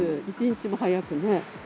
一日も早くね。